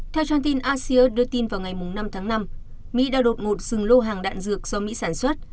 theo trang tin asean đưa tin vào ngày năm tháng năm mỹ đã đột ngột dừng lô hàng đạn dược do mỹ sản xuất